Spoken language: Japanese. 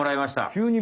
急に！